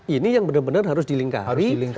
ini yang benar benar harus dilingkari